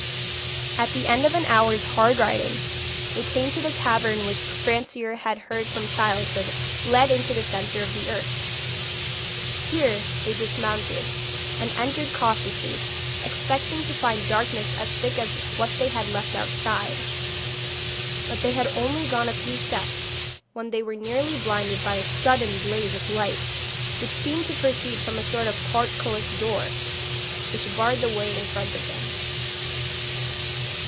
At the end of an hour's hard riding, they came to the cavern which Francoeur had heard from childhood led into the centre of the earth. Here they dismounted, and entered cautiously, expecting to find darkness as thick as what they had left outside. But they had only gone a few steps when they were nearly blinded by a sudden blaze of light, which seemed to proceed from a sort of portcullis door, which barred the way in front of them.